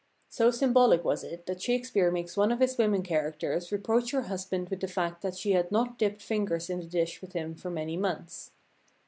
So symbolic was it that Shake speare makes one of his women characters reproach her husband with the fact that she had not dipped fingers in the dish with him for many months.